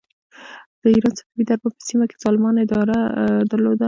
د ایران صفوي دربار په سیمه کې ظالمانه اداره درلوده.